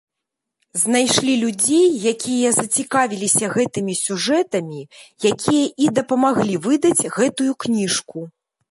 Знайшлі людзей, якія зацікавіліся гэтымі сюжэтамі, якія і дапамаглі выдаць гэтую кніжку.